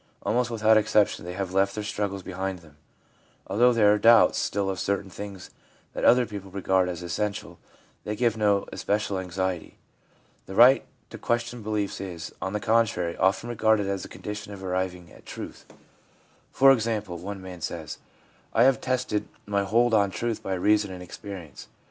Almost without exception they have left their struggles behind them. Although there are doubts still of certain things that other people regard as essential, they give no especial anxiety. The right to question beliefs is, on the contrary, often regarded as the condition of arriving at truth ; for example, one man says :' I have tested my hold on truth by reason and experience.